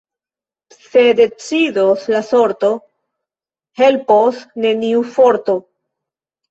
Se decidos la sorto, helpos neniu forto.